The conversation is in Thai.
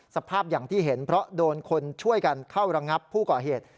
สภาพอย่างที่เห็นเพราะโดนคนช่วยกันเข้าระงับผู้ก่อเหตุ